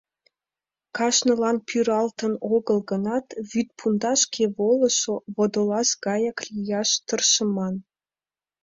Кажнылан пӱралтын огыл гынат, вӱд пундашке волышо водолаз гаяк лияш тыршыман.